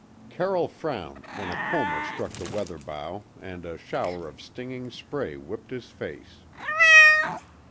Carroll frowned when a comber struck the weather bow and a shower of stinging spray whipped his face.